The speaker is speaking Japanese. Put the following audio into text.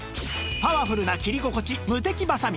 パワフルな切り心地ムテキバサミ